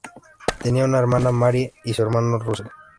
Tenía una hermana, Marie, y un hermano, Russell.